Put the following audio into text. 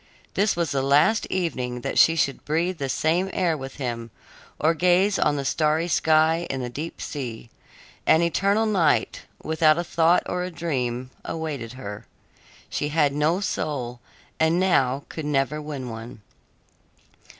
This was the last evening that she should breathe the same air with him or gaze on the starry sky and the deep sea. An eternal night, without a thought or a dream, awaited her. She had no soul, and now could never win one.